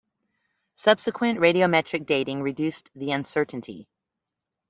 Subsequent radiometric dating reduced the uncertainty.